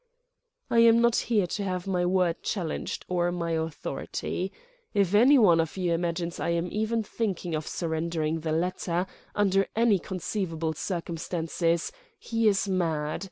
"I am not here to have my word challenged—or my authority. If any one of you imagines I am even thinking of surrendering the latter, under any conceivable circumstances, he is mad.